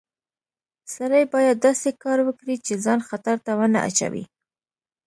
سړی باید داسې کار وکړي چې ځان خطر ته ونه اچوي